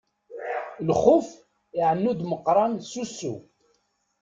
Lxuf iɛennu-d Meqqran s ussu.